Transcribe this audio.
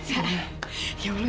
ya allah zah